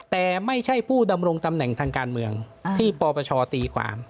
แต่ไม่ใช่ผู้ดำรงตำแหน่งทางการเมืองที่ปปชตีความ